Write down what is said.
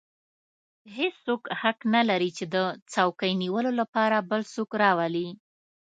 هېڅوک حق نه لري چې د څوکۍ نیولو لپاره بل څوک راولي.